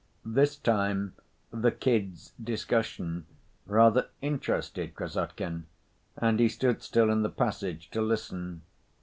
This time the "kids'" discussion rather interested Krassotkin, and he stood still in the passage to listen.